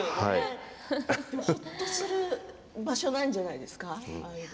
ほっとする場所じゃないですか。